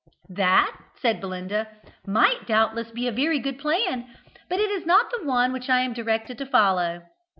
"That," said Belinda, "might doubtless be a very good plan, but it is not the one which I am directed to follow.